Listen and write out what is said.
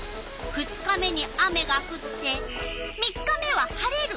２日目に雨がふって３日目は晴れる。